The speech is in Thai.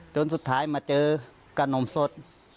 จนสุดท้ายมาเจอขนมสด